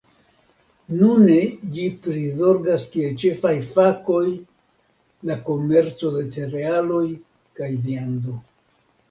Nune ĝi prizorgas kiel ĉefaj fakoj la komerco de cerealoj kaj viando.